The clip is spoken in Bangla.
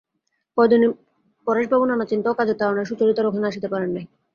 কয়দিন পরেশবাবু নানা চিন্তা ও কাজের তাড়ায় সুচরিতার ওখানে আসিতে পারেন নাই।